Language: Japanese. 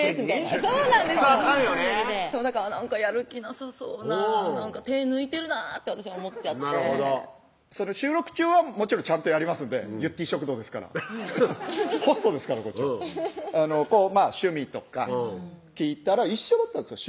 そらあかんよねなんかやる気なさそうな手ぇ抜いてるなって私は思っちゃってなるほど収録中はもちろんちゃんとやりますんで「ゆってぃ食堂」ですからホストですからこっちは趣味とか聞いたら一緒だったんですよ